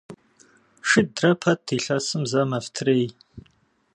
Шыдрэ пэт илъэсым зэ мэфтрей.